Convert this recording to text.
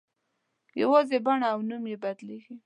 یوازې بڼه او نوم یې بدلېږي.